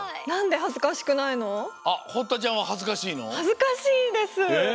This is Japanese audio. はずかしいです。え。